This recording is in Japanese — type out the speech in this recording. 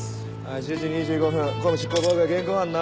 １０時２５分公務執行妨害現行犯な。